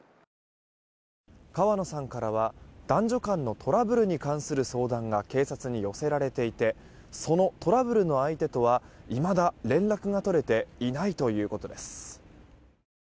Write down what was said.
川野さんからは男女間のトラブルに関する相談が警察に寄せられていてそのトラブルの相手とはいまだ、連絡が取れていないということです。